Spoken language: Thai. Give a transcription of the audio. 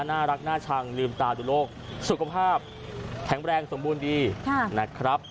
น่ารักน่าชังลืมตาดูโลกสุขภาพแข็งแรงสมบูรณ์ดีนะครับ